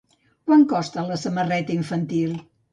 Quant costa la samarreta infantil?